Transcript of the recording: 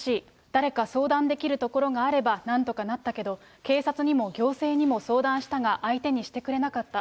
誰か相談できる所があれば、なんとかなったけど、警察にも行政にも相談したが、相手にしてくれなかった。